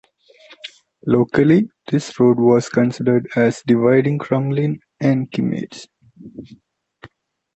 Locally this road was considered as dividing Crumlin and Kimmage.